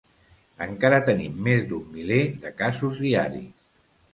Encara tenim més d’un miler de casos diaris.